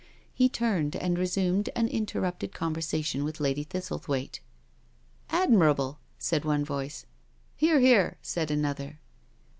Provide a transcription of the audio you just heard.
*'* He turned, and resumed an interrupted conversation with Lady Thistliethwaite. " Admirable r^ said one voice. " Hear, hear I" said another.